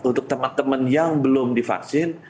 untuk teman teman yang belum divaksin